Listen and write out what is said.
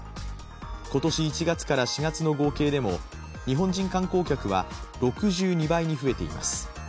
今年１月から４月の合計でも日本人観光客は６２倍に増えています。